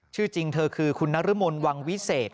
ชื่อจริงเธอคือคุณนรมนวังวิเศษ